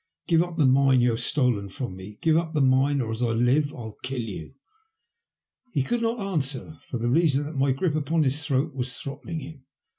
''Give up the mine you have stolen from me. Give up the mine, or, as I live, I'll kill you." He could not answer, for the reason that my grip upon his throat was throttling him.